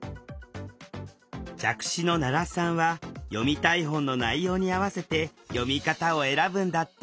弱視の奈良さんは読みたい本の内容に合わせて読み方を選ぶんだって